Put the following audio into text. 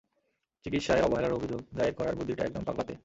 চিকিৎসায় অবহেলার অভিযোগ দায়ের করার বুদ্ধিটা একদম পাগলাটে!